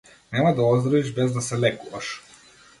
Нема да оздравиш без да се лекуваш.